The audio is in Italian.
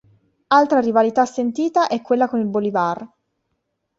Altra rivalità sentita è quella con il Bolivar.